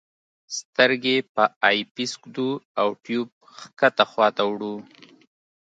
سترګې په آی پیس ږدو او ټیوب ښکته خواته وړو.